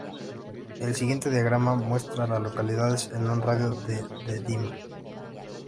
El siguiente diagrama muestra a las localidades en un radio de de Lyman.